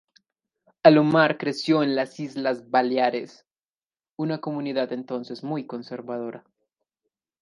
Alomar creció en las Islas Baleares, una comunidad entonces muy conservadora.